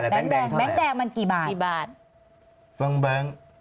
แบงก์แดงมันกี่บาท